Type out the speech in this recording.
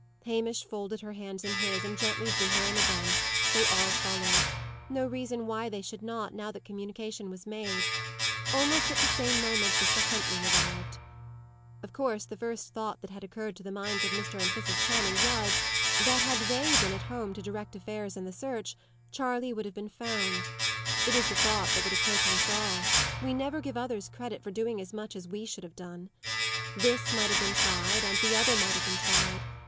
Hamish folded her hands in his, and gently drew her in again. They all followed. No reason why they should not, now that the communication was made. Almost at the same moment, Mr. Huntley arrived. Of course, the first thought that had occurred to the minds of Mr. and Mrs. Channing was, that had they been at home to direct affairs in the search, Charley would have been found. It is the thought that would occur to us all: we never give others credit for doing as much as we should have done. "This might have been tried, and the other might have been tried."